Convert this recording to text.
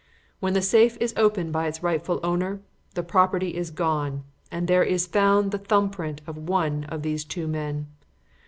When the safe is opened by its rightful owner, the property is gone, and there is found the print of the thumb of one of these two men.